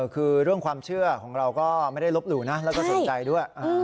คือเรื่องความเชื่อของเราก็ไม่ได้ลบหลู่นะแล้วก็สนใจด้วย